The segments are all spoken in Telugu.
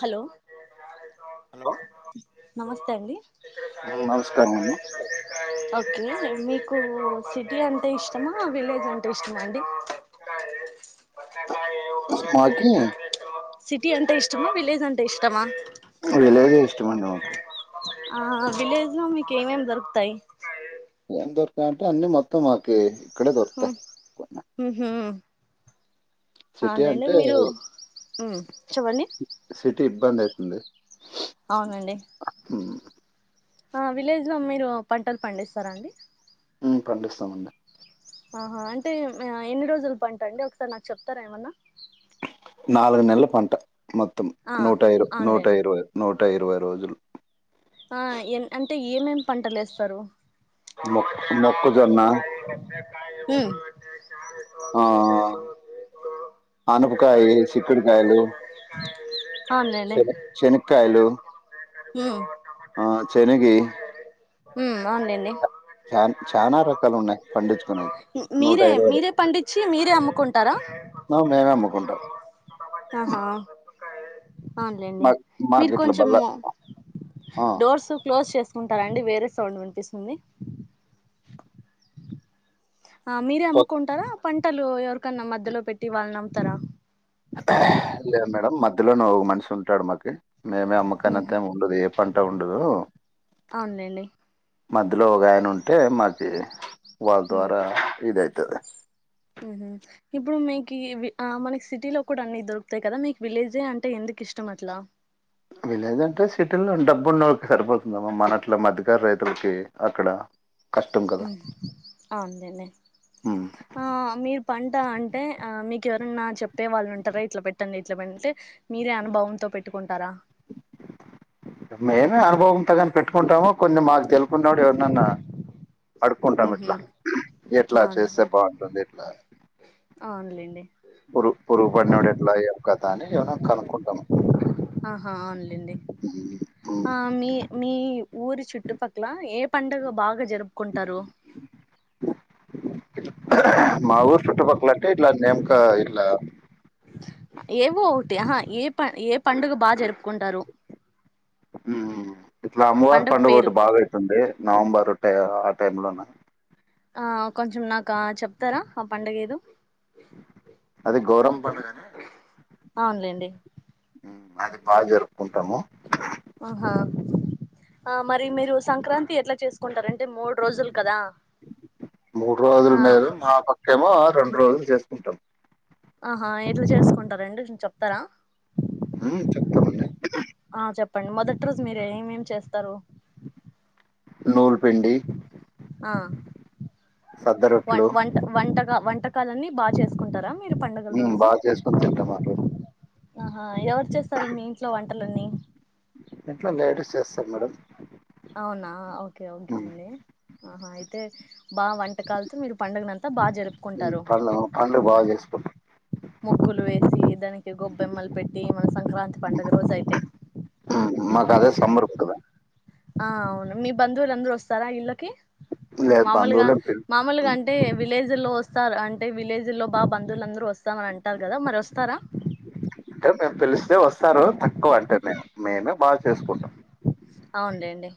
హలో హలో నమస్తే అండి నమస్కారం అండి ఉ మీకు సిటీ అంటే ఇష్టమా విలేజ్ అంటే ఇష్టమా అండి మాకీ సిటీ అంటే ఇష్టమా విలేజ్ అంటే ఇష్టమా విలేజ్ ఎ ఇష్టమండి నాకు ఆ విలేజ్ లో మీకు ఏమే ఏమ్ దొరుకుతాయి ఉండేటివి మాత్రం అన్ని మొత్తం దొరుకుతాయ్ ఉహు అవును సిటీ లెండి అంటే మీరు సిటీ ఇబ్బంది అయితుంది అవునండి మ్మ్ ఆ విలేజ్ లో మీరు పంటలు పండిస్తారాండి ఉ పండిస్తామండి ఆహా అంటే ఎన్ని రోజులు పంట అండి ఒకసారి నాకు చెప్తారా ఏమన్నా నాలుగు నెలల పంట మొత్తం ఆ నూట నూట అవునులేండి ఇరవై నూర్ ఇరవై రోజులు ఆ ఎ అంటే ఏమేమి పంటలు ఎస్తారు మ మొక్కుజొన్నా మ్మ్ ఆ అనపకాయి సిక్కుడికాయలు అవునులేండి శనగకాయలు ఉమ్ ఆ శెనిగి ఉ అవును లేండి చాన్ చాలా రకాలు ఉన్నాయి పండించుకునేకి నూట మీరే ఇరవరు మీరే పండించి మీరే అమ్ముకుంటారా ఆ మేమే అమ్ముకుంటాం అవున్లేండి మా మీరు మాకు ఇట్లా బల్ల కొంచము ఆ డోర్స్ క్లో రొజ్ చేసుకుంటారాండి వేరే సౌండ్ వినిపిస్సుంది. ఆ మీరే ఓకే. అమ్ముకుంటారా. పంటలు ఎవర్కన్నా మథ్థిలో పెట్టి వాళ్ళ్ నమ్ముతారా. లేదు మేడం మథ్థిలోనో ఒ మన్షి ఉంటాడు మాకి మేమే ఉహు అమ్మకానంతేం ఉండదు ఏ పంట ఉండదు. అవునులేండి మథ్థలో ఉగాయన ఉంటే మ ఎ, వాళ్ ద్వారా ఇదె తది హుహు, ఇప్పుడు మీకి ఇవి ఆ మనకి సిటీలో కూడా అన్ని దొరుకుతయ్ కదా, మీక్ విలేజే అంటే ఎందుకిష్టం అట్ల. విలేజ్ అంటే సిటీలో డబ్బున్నొక్ సరిపోతుందమ్మా మన అట్ల మథ్థికారు రైతులకి అక్కడ కష్టం ఉ, కదా అవున్ లెండి, ఉమ్ ఆ మీ పంట అంటే ఆ మీకెవరన్నా చెప్పే వాల్నుంటారా ఇట్ల పెట్టండి, ఇట్ల పెంటే మీరే అనుభవంతో పెట్టుకుంటారా. మేమే అనుభవంత్తగని పెట్టుకుంటాము కొన్ని మాకు తెల్పున్నాడు ఎవర్నన్న. అడుకుంటాం ఉహు ఇట్లా, ఎట్లా చేస్సే అవునులే బావుంటుంది ఇట్ల అవునులేండి పురు పురుగు పడ్నడు ఎట్ల ఏం కత అని ఏవన్న కనుకుంటాం. ఆహా అవున్ నెండి, ఉమ్. ఆ మీ మీ ఊరి చుట్టుపక్క్ల ఏ పండగ భాగ జర్పుకుంటారు. మా ఊరు చుట్టుపక్క్ల అంటే ఇట్ల నేంకా ఇట్ల ఏవో ఒకటి ఆహా ఏ ప, ఏ పండుగ బా జర్పుకుంటారు‌. ఉ ఇట్లా అమ్మవారి పండుగ పేరు ఒటి బాగా అయితుంది నవంబర్ టే, ఆ టైమ్ లోన ఆ కొంచెం నాకా చెప్తారా ఆ పండుగ ఏదో అది గౌరం పండుగని, అవునులేండి ఉ అది బా జర్పుకుంటాము. ఆహా ఆ మరి మీరు సంక్రాంతి ఎట్ల చేసుకుంట అంటే మూడ్రోజులు కదా. ఆ ఏమో రెండ్రోజులు చేసుకుంటాం. ఆహా ఎట్ల చేసుకుంటారండి చెప్తరా. ప్తామండి. ఆ చెప్పండి మొదట్రోజు మీరు ఏమేమి చేస్తరు. నూ ఆ సద్ద వం రొట్లు వంట వంటగా వ ంటకాలన్నీ బా చేసుకుంటారా. మీరు పండుగల మ్ రోజు, బాగా చేసుకొని తింటాం ఆ రోజు అహా ఎవరు చేస్తారు. మీ ఇంట్లో వంట లన్నీ ఇంట్లో లేడీస్ చేస్తారు మేడం అవునా ఓకే ఓకే మ్ అండి ఆహా అయితే బాగా వంటకాలతో మీరు పండుగను అంతా బాగా జరుపుకుంటారు పండ్లు పండ్లు బాగా చేసుకుంటాం ముగ్గులు వేసి దానికి గొబ్బెమ్మలు పెట్టి మన సంక్రాంతి పండుగ రోజు అయితే మ్ మాకు అదే సమ్మర్ కదా ఆ అవును మీ బంధవులు అందరు వస్తారా ఇల్ కి లేదు మలుగా బంధువులే పిల్ మామలుగాంటే విలేజ్లో వస్తారు అంటే వ విలేజ్లలో బాగా బంధువులుందరూ వస్తామని అంటారు కదా మరి వస్తారా అంటే మేము పిలిస్తే వస్తారు తక్కువ అంటే మేము మేమే బాగా చేసుకుంటాం అవునులేండి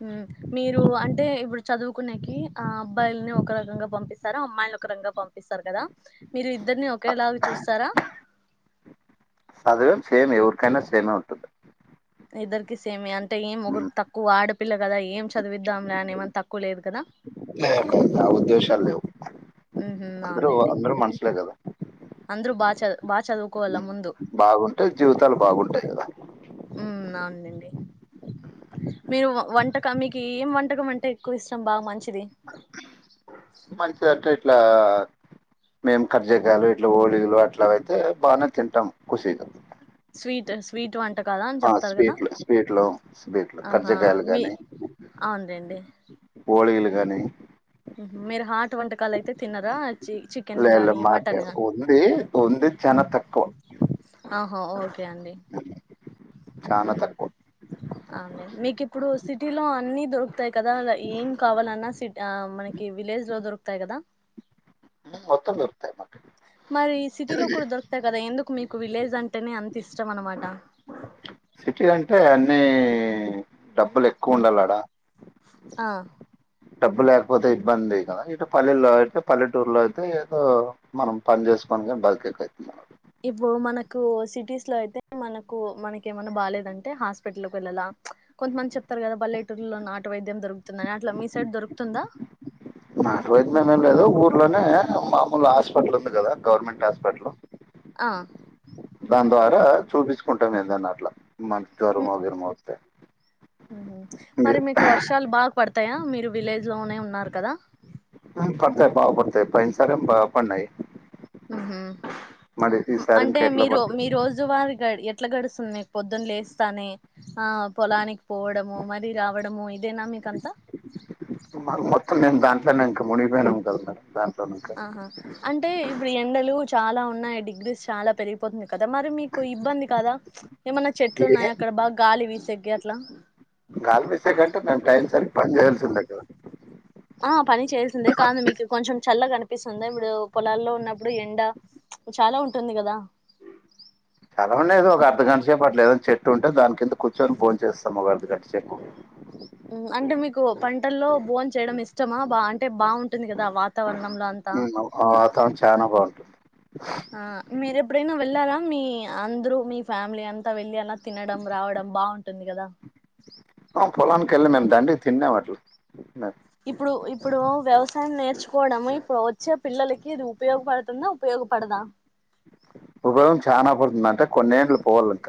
హు మీరు అంటే ఇప్పుడు చదువుకునేకి అబ్బాయిలని ఒక రకంగా పంపిస్తారు అమ్మాయిని ఒక రకంగా పంపిస్తారు కదా మీరు ఇద్దరిని ఒకేలాగ చూస్తారా చదివేం సేమ్ ఎవరికైనా సేమే ఉంటుంది ఇద్దరికి సేమే అం ఏం ఒకరి తక్కువ ఆడపిల్ల కదా ఏం చదివిద్దాం లే అని ఏమన్నా తక్కువ లేదు కదా లేదండి ఆ ఉద్దేశాలు లేేవు మ్మ్. అందరూ అవునులేండి అందరు మనుషులేకదా అందరూ బా చ బా చదువు కోవాలా ముందు బాగుంటే జీవితాలు బాగుంటాయి కదా హు అవునండి మీరు వంటకం మీకు ఏం వంటకం అంటే ఎక్కువ ఇష్టం బాగా మంచి మంచిదట్టై ఇట్లా మేము కర్జికాలు ఇట్లా ఓలీగలు అట్లా అయితే బాగానే తింటాం ఖుషీగా స్వీట్ స్వీట్ వంట కదా అని చెప్తారు కదా స్వీట్లు స్వీట్లు స్వీట్లు ఆహా కర్జగాయలు మీ గానీ అవునులేండి పోళీలు గానీ మీరు హాట్ వంటకాలు అయితే తిన్నరా చికెన్ లేదు గాని మాకే మటన్ గాని ఉంది ఉంది ఊ చాలా తక్కువ ఆ హ ఓకే అంతే అండి చాలా తక్కువ అమె మీకు ఇప్పుడు సిటీలో అన్ని దొరుకు కదా ఏం కావాలన్నా సి మనకి విలేజ్ లో దొర్ కదా మొత్తం దొరుకుతాయి మాకు మరి సిటీలో కూడా దొరుకుతాయి కదా ఎందుకు మీకు విలేజ్ అంటేనే అంత ఇష్టం అన్నమాట సిటీ అంటే అన్నీ డబ్బులు ఎక్కువ ఉండల్లాడ ఆ డబ్బు లేకపోతే ఇబ్బంది కదా ఇటు పల్లెలో అయితే పల్లెటూర్లో అయితే ఏదో మనం పని చేసుకోని కానీ బతుకెక్కవుతుంది మనం ఇప్పుడు మనకు సిటీస్ లో అయితే మనకు మనకి ఏమన్నా బాగాలేదంటే హాస్పిటల్కి వెళ్ళాలా కొంతమంది చెప్తారు కదా పల్లెటూరులో నాటటు వైద్యం దొరుకుతుందని అట్లా మీ సైడ్ దొరుకుతుందా వైద్యమ ఏం లేదు ఊర్లోనే మామూలు హాస్పిటల్ ఉంది కదా గవర్నమెంట్ హాస్పిటల్ ఆ దా ద్వార చూపించుకుంటాం ఏ దన్ని అట్లా మంచి జ్వర వగర మ [inaudible] ఉహ మరి మీకు వర్షాలు బాగా పడతాయా మీరు విలేజ్ లోనే ఉన్నారు కదా పడతాయి బా పడుతాయి పైసర బ పన్నాయి ఇంకా అంటే ఎట్లా మీరు పడతాయి మీ రోజు వారు ఎట్లా గడుస్తున్నాయి పొద్దున్న లేస్తానే ఆ పొలానికి పోవడము మరి రావడము ఇదేనా మీక అంతా మని పేనా ఆహా అంటే ఇప్పుడు ఎండలు చాలా ఉన్నాయి డిగ్రీస్ చాలా పెరిగిపోతుంది కదా మరి మీకు ఇబ్బంది కదా ఏమన్నా చెట్లు ఏ ఉన్నాయా అక్కడ బాగా గాలి వీసే గేట్లా కాల్ మీసా గంటే న టైమ్ సరి పజల్సిందకా ఆ పని చేల్సిందే కాదు మీకు కొంచెం చల్ల కనిపి తెప్పిస్తుందా ఇప్పుడు పొలాల్లో ఉన్నప్పుడు ఎండ చాలా ఉంటుంది కదా చాలా ఉండేది ఒక అర్ధఘంట సేపు అట్ల ఏదైన చెట్టు ఉంటే దాని కింద కూర్చొని ఫోన్ చేస్తాను అర్థగంటసేపు ముగాదు కటిచే ఉమ్, అంటే మీకు పంటల్లో భోన్ చేయడం ఇష్టమా బా అంటే బాగుంటుంది కదా వాతావరణం వాతారణం చాలా బాగుంది ఆ మీర ఎప్పుడైనా వెళ్ళారా మీ అందరు మీ ఫ్యామిలీ అంతా వెళ్ళి అన్న పొలానికినికి వెళ్ళ మేము దాండడి తిన్న వ స ఇప్పుడు ఇప్పుడు వ్యవస్ నేర్చుకోవడము ఇప్పుడు వచ్చే పిల్లలకి ఇది ఉపయోగపడుతుందా ఉపయోగపడదా బ చనా పడుతుంది అంటే కొన్నేండ్ళు పోవాల ఇంక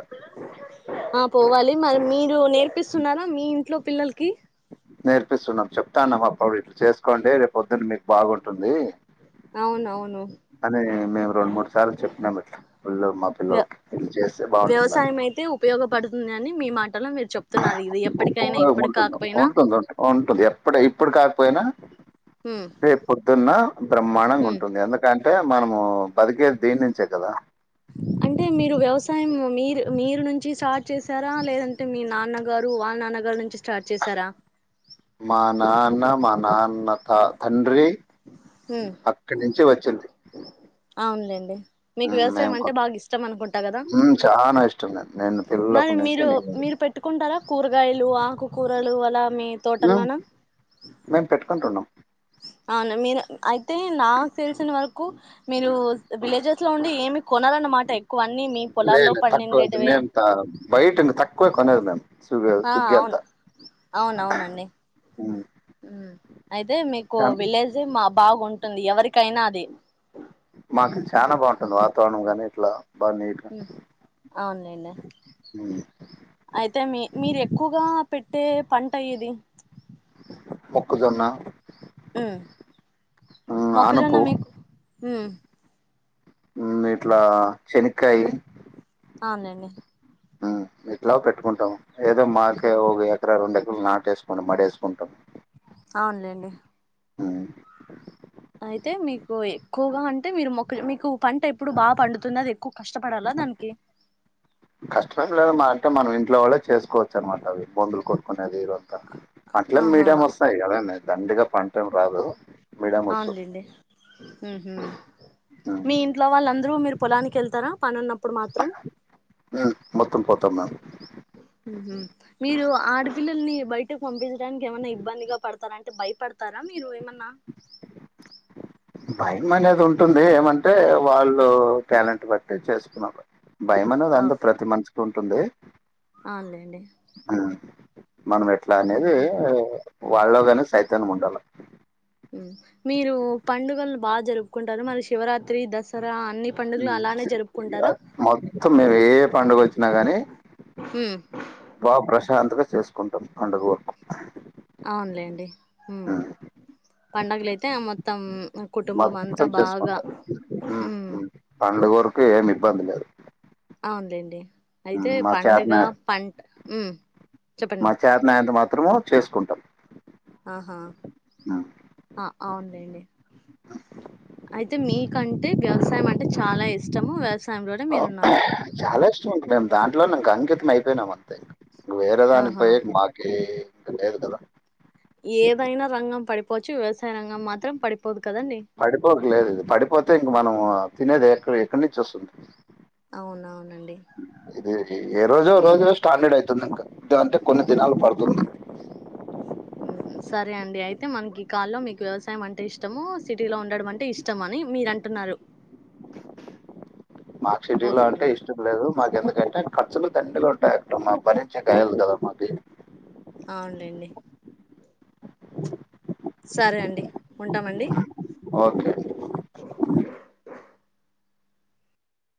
ఆ పోవాలి మరి మీరు నేర్పిస్తున్నారా మీ ఇంట్లో పిల్లలకి నేర్పిస్తున్నాం చెప్తాన్నా అప్పుడు ఇలా చేసుకోండి రేపు పొద్దున్న మీకు బాగుంటుంది అవునవును అని మేము రెండు మూడు సార్లు చెప్పినాముట్లా ఫుల్ళ మా వ్య పిల్లకి ఇల్ళ చేస్తే బాగుంటుందంని వ్యవసాయం అయితే ఉపయోగపడుతుంది అని మీ మాట ఉంటుంది కాకపోయినా ఉంటుంది ఉంటుంది ఎప్పుడ ఇప్పుడు కా పోయినా ఉమ్ రేప్ పొద్దున్న బ్రహ్మాండంగా ఉమ్ ఉంటుంది ఎందుకంటే అంటే మనము బతికేది దీని నుంచే కదా అంటే మీరు వ్యవసాయం మీరు మీరు నుంచి స్టార్ట్ చేసారా లేదంటే మీ నాన్నగారు వాళ్ళ నాన్నగారు నుంచి స్టార్ట్ చేసారా మా నాన్న మా నాన్నత తండ్రి ఉమ్ అక్కడి నుంచే వచ్చింది అవునులేండి మీకు హ్మ్. వ్యవసాయం మేము కొ అంటే బాగా ఇష్టం అనుకుంటా కదా హ్మ్. చానా ఇష్టం నేను. నేను మరి పిల్లలప్పటి నుంచి మీరు నేను మీరు పెట్టుకుంటారా కూర కాయలు ఆకుకూరలు అలా మీ తోటల్లోన మేము పెట్టుకుంటున్నాం అవును మీరు అయితే నాకు తెల్సిన వరకు మీరు విలేజెస్ లో ఉండి ఏమి కొనాలన్నమాట ఎక్కువ అన్ని మీ లే పొలాల్లో లే తక్కువ పండిండేటివే మేము బయట తక్కువే కొనేది మేం సు ఆ సు్గ అంత అవును ఊ అ అయితే మీకు విలేజ్ మా బాగుంట అంటుంది ఎవరికైనా అది మాకు చాలా బాగుంటుంది వాతావరణం కానీ ఇట్లా బా నీట్ గా మ్మ్ అవునులేండి సఓ అయితే మీ మీరు ఎక్కువగా పెట్టే పంట ఏది ముక్కుజొన్న అ మొక్కజోన్న అనుపు, మీకు హ ఇట్లా శనకాయ అవునండి ఇట్లా పెట్టుకుంటాము ఏదో మాకే ఒక ఎకర రెండుకరాలు నాటేసుకోంనీ మడేసుకుంటాం అవునులేండి హ్మ్. అయితే మీకు ఎక్కువగా అంటే మీరు మొక్క మీకు పంట ఎప్పుడు బాగా పండుతున్నది కష్టమే లేదు మా అంటే మనం ఇంట్లో వాళ్ళ చేసుకోవచ్చు అనమాట అవి మందులు కొట్కునేది ఈ రజు మట్ల ఆహా మీడియా వర్స్తాయి అద దండిగా పంటేం రాదు మీడియం వస్తుంది మీ ఉమ్, ఇంట్లో వాళ్ళందరూ మీరు పొలానికి వెళ్తారా పని ఉన్నప్పుడు మాత్రం మొత్తం పోతాం మేము మీరు ఆడపిల్లల్ని బయటకు పంపిస్ డానికి ఏమన్నాఇబ్బందిగా పడతారాండి టే భయపడు తారా మీరు ఏమన్నా భయం అనేది ఉంటుంది ఏమంటే వాళ్ళు టాలెంట్ బట్టి చేసుకున్నారు భయమనేది అందరు ఓకే ప్రతి మనిషి ఉంటుంది అవునులేండి ఉమ్, మనం ఎట్లా అనేది ఉహు ఉమ్. వాళ్ళలో కాని సై త్తను ముండాల మీరు పండుగలను బా జరుపుకుంటారు మరి శివరాత్రి దసరా అన్ని పండుగలు అలానే జరుపుకుంటారా మొత్తం మేము ఏ పండుగ వచ్చినా గానీ ఉ బా ప్ర ప్రశాంతంగా చేసుకుంటాం పండుగ వరకు అవునులేండి హ్మ్ ఉమ్. పండగలు అయితే ఆ మొత్తం కుటుంబం అంతా మొత్తం బాగా చేసుకుంటారు హ్మ్ ఉమ్ మ్మ్ పండుగరకు ఏమి ఇబ్బంది లేదు అవునులేండి అయితే మా పండుగ చేతనాయ పంట ఉమ్ చెప్పండి మా చేతనాయంత మాత్రము చేసుకుంటం ఆహ ఆ అవునులెండి అయితే మీకంటే వ్యవసాయం అ అంటే చాలా ఇష్టము వ్యవసా చాలా ఇష్టం ఇంక నేను దాంట్లో నాకు అంకిత అయిపోయినామంతే ఇక వేరేదానికి ఆహా పోయేది మాకే లేదుకదా ఏదైనా రంగం పడిపోవచ్చు వ్యవసా పడిపోకలేదు ఇది పడిపోతే ఇంక మనము తినేది ఎక్కడ ఎక్కడి నుంచి వస్తుంది అవును అవునండి ఇది ఏ రోజో రోజో స్టాండర్డ్ అయితుంది ఇంకా అంటే కొన్ని దినాలు పడుతుంది సరే అండి అయితే మనకి ఈ కాల్లో మీకు వ్యవసాయం అంటే ఇష్టము సిటీలో ఉండడం అంటే ఇష్టం అని మీరు అంటున్నారు మాకు సిటీలో ఓకే అంటే అండి ఇష్టం లేదు మాకు ఎందుకంటే ఖర్చులు దండిగా వుంటాయంట మా పని చెప్పేల్దు కదా మాకి అవునండి సరే అండి ఉంటామండి ఓకే